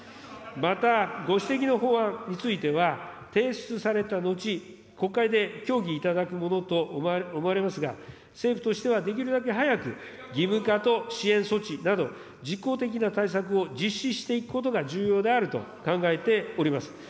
またご指摘の法案については、提出された後、国会で協議いただくものと思われますが、政府としてはできるだけ早く、義務化と支援措置など、実効的な対策を実施していくことが重要であると考えております。